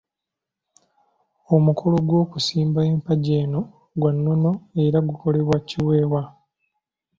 Omukolo gw'okusimba empagi eno gwa nnono era gukolebwa Kiwewa.